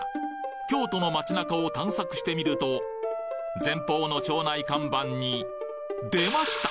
京都の街中を探索してみると前方の町内看板に出ました！